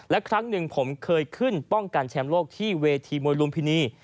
และครั้งหนึ่งผมเคยขึ้นป้องกันแชมป์โลกที่เวทีมวยลุมพินี